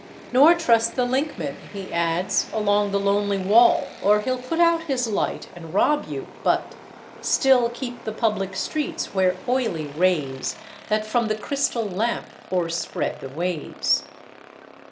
Nor trust the linkman," he adds, "along the lonely wall, or he'll put out his light and rob you, but "Still keep the public streets where oily rays That from the crystal lamp o'erspread the ways."